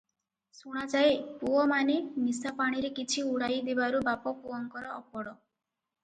ଶୁଣାଯାଏ, ପୁଅମାନେ ନିଶାପାଣିରେ କିଛି ଉଡ଼ାଇ ଦେବାରୁ ବାପ ପୁଅଙ୍କର ଅପଡ଼ ।